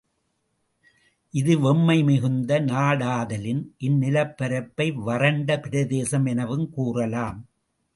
இது வெம்மை மிகுந்த நாடாதலின், இந்நிலப் பரப்பை வறண்ட பிரதேசம் எனவும் கூறலாம்.